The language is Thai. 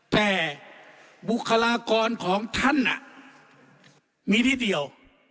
แต่บุคลากรของท่านมีที่เดียว